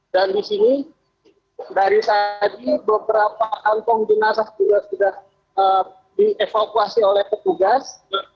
dan di sini dari saat ini beberapa angkong dinasas juga sudah dievakuasi oleh petugas